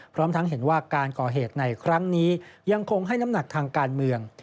พร้อมทั้งเห็นว่าการก่อเหตุในครั้งนี้ยังคงให้น้ำหนักทางการเมือง